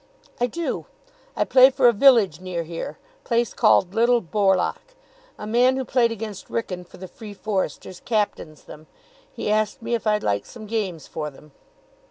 "I do. I play for a village near here. Place called Little Borlock. A man who played against Wrykyn for the Free Foresters captains them. He asked me if I'd like some games for them."